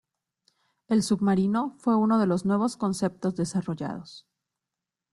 El submarino fue uno de los nuevos conceptos desarrollados.